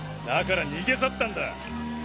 だから逃げ去ったんだ